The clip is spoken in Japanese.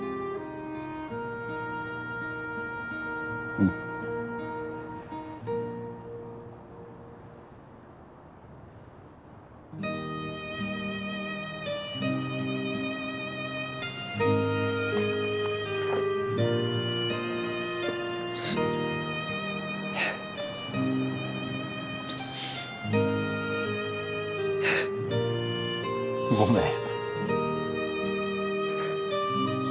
うん。ごめん。